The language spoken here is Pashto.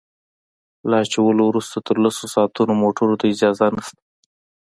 له اچولو وروسته تر لسو ساعتونو موټرو ته اجازه نشته